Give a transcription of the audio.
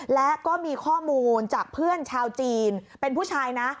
และก็มีข้อมูลจากเพื่อนชาวจีนเป็นผู้ชายนะ